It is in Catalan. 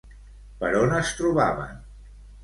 Per on es trobaven?